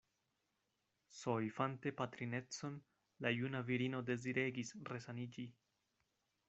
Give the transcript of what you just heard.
Soifante patrinecon, la juna virino deziregis resaniĝi.